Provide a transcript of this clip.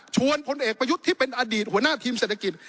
พลเอกประยุทธ์ที่เป็นอดีตหัวหน้าทีมเศรษฐกิจ